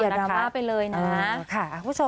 อย่าดราม่าไปเลยนะค่ะคุณผู้ชม